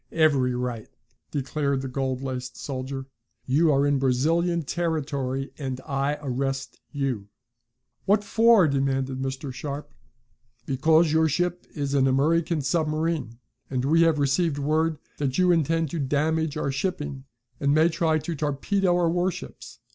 "Every right," declared the gold laced officer. "You are in Brazilian territory, and I arrest you." "What for?" demanded Mr. Sharp. "Because your ship is an American submarine, and we have received word that you intend to damage our shipping, and may try to torpedo our warships.